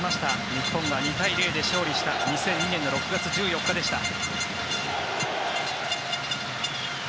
日本が２対０で勝利した２００２年の６月１４日でした。